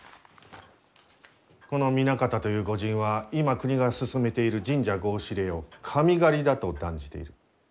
この南方という御仁は今国が進めている神社合祀令を「神狩り」だと断じている。